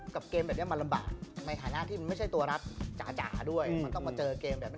เกมแบบนี้มันลำบากในฐานะที่มันไม่ใช่ตัวรัฐจ๋าด้วยมันต้องมาเจอเกมแบบนี้